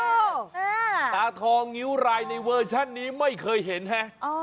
โอ้วววววววสาทองเงี๋วรายในเวอร์ชันนี้ไม่เคยเห็นฮะ